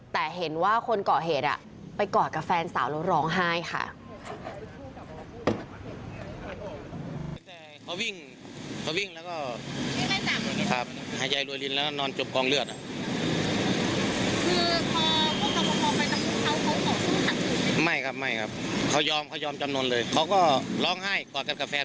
แต่เห็นว่าคนก่อเหตุไปกอดกับแฟนสาวแล้วร้องไห้ค่ะ